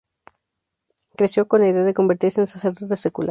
Creció con la idea de convertirse en sacerdote secular.